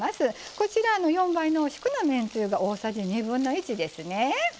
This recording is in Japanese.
こちら、４倍濃縮のめんつゆが大さじ２分の１ですね。